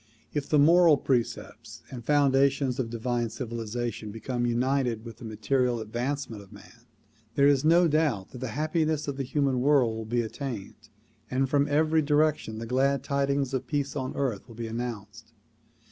If the moral precepts and foundations 106 THE PROMULGATION OF UNIVERSAL PEACE of divine civilization become united with the material advancement of man, there is no doubt that the happiness of the human worid will be attained and from every direction the glad tidings of peace upon earth will be announced.